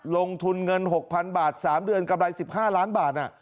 ลงทุนเงิน๖๐๐๐บาท๓เดือนกำไร๑๕ล้านบาท